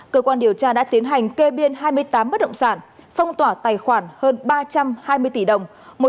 cơ quan điều tra đã tiến hành kê biên hai mươi tám bất động sản phong tỏa tài khoản hơn ba trăm hai mươi tỷ đồng